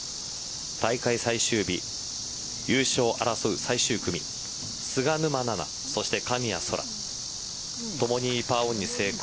大会最終日、優勝を争う最終組菅沼菜々、そして神谷そらともにパーオンに成功。